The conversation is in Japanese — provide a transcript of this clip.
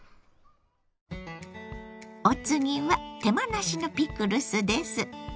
お次は手間なしのピクルスです。